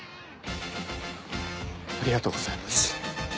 ありがとうございます。